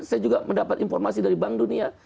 saya juga mendapat informasi dari bank dunia